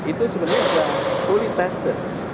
itu sebenarnya sudah fully tested